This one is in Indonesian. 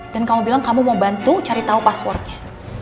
dan kamu bilang kamu mau bantu cari tahu passwordnya